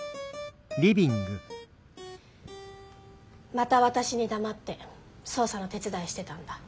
また私に黙って捜査の手伝いしてたんだ。